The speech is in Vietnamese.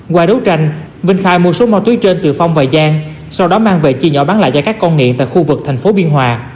qua đấu tranh vinh khai mua số ma túy trên từ phong và giang sau đó mang về chia nhỏ bán lại cho các con nghiện tại khu vực thành phố biên hòa